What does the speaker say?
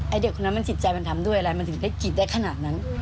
เด็กคนนั้นมันจิตใจมันทำด้วยอะไรมันถึงได้กรีดได้ขนาดนั้น